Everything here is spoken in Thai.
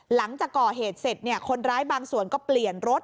หลังจากก่อเหตุเสร็จคนร้ายบางส่วนก็เปลี่ยนรถ